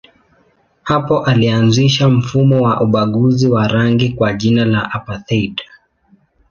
Hapo ilianzisha mfumo wa ubaguzi wa rangi kwa jina la apartheid.